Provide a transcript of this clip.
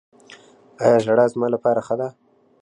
ایا ژړا زما لپاره ښه ده؟